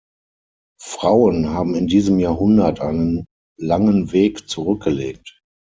Frauen haben in diesem Jahrhundert einen langen Weg zurückgelegt.